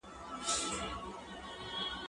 زه مځکي ته کتلې دي!